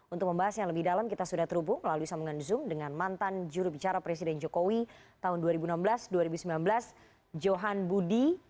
untuk membahas yang lebih dalam kita sudah terhubung melalui sambungan zoom dengan mantan jurubicara presiden jokowi tahun dua ribu enam belas dua ribu sembilan belas johan budi